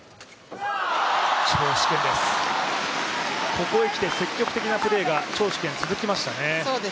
ここへきて、積極的なプレーが張殊賢、続きましたね。